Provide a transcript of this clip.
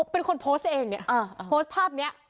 เป็นคนโพสเองโพสภาพนี้